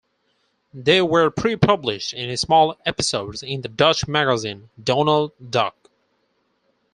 They were pre-published in small episodes in the Dutch magazine "Donald Duck".